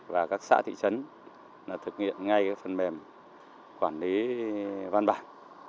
và các xã thị trấn thực hiện ngay phần mềm quản lý văn bản